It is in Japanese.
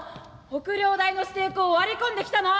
北陵大の指定校割り込んできたの！